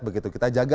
begitu kita jaga